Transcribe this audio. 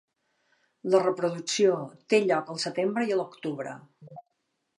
La reproducció té lloc al setembre i l'octubre.